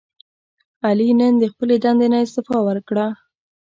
علي نن د خپلې دندې نه استعفا ورکړه.